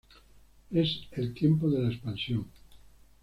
Es el tiempo de la expansión.